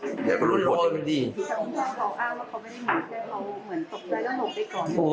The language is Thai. อ้าวว่าเขาไม่ได้มีแค่เราเหมือนตกใจแล้วหลบไปก่อน